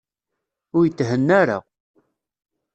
Ur yethenna ara.